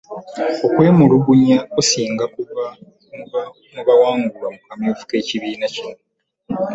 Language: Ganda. Okwemulugunya kusinga kuva mu baawangulwa mu kamyufu k'ekibiina kino.